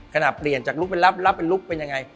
ขนาดเปลี่ยนจากลุคเป็นลับเป็นลุคเป็นยังไง